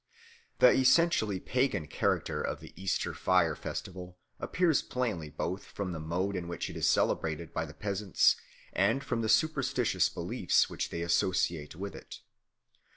The essentially pagan character of the Easter fire festival appears plainly both from the mode in which it is celebrated by the peasants and from the superstitious beliefs which they associate with it.